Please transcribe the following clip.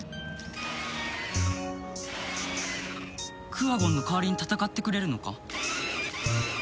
クワゴンの代わりに戦ってくれるのか？